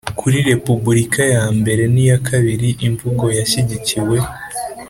kuri Repuburika ya mbere n iya kabiri imvugo yashyigikiwe